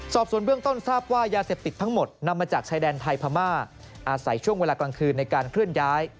สอบส่วนเบื้องต้นทราบว่ายาเสพติดทั้งหมดนำมาจากชายแดนไทยพม่าอาศัยช่วงเวลากลางคืนในการเคลื่อนย้าย